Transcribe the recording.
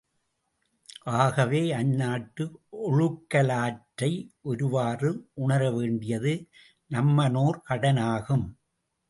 ஆகவே, அந்நாட்டு ஒழுகலாற்றை ஒருவாறு உணரவேண்டியது நம்மனோர் கடனாகும்.